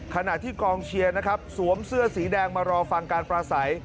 ขณะที่กองเชียร์นะครับสวมเสื้อสีแดงมารอฟังการปราศัย